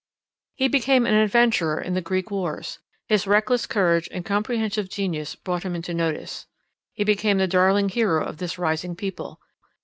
He became an adventurer in the Greek wars. His reckless courage and comprehensive genius brought him into notice. He became the darling hero of this rising people.